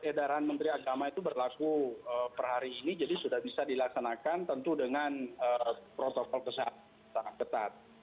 edaran menteri agama itu berlaku per hari ini jadi sudah bisa dilaksanakan tentu dengan protokol kesehatan sangat ketat